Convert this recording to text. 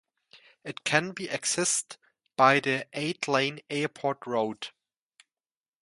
It can be accessed by the eight-lane Airport Road.